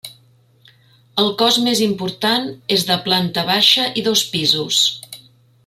El cos més important és de planta baixa i dos pisos.